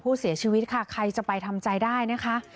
ผู้เสียชีวิตค่ะใครจะไปทำใจได้นะคะ